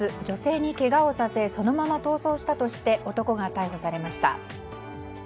女性にけがをさせそのまま逃走したとして男が逮捕されました。